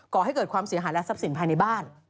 ก่อให้เกิดความเสียหายและทรัพย์สินภายในบ้าน